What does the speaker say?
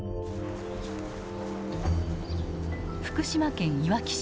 福島県いわき市。